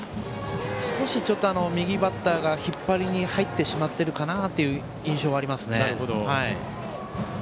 少し右バッターが引っ張りに入ってしまってるかなという印象はあります。